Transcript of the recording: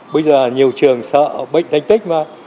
bây giờ nhiều trường sợ bệnh thánh tích mà